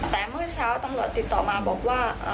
แต่เมื่อเช้าตำรวจติดต่อมาบอกว่า